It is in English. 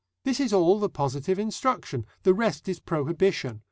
This is all the positive instruction; the rest is prohibition.